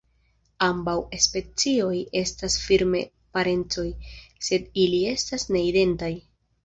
Ambaŭ specioj estas firme parencoj, sed ili estas ne identaj.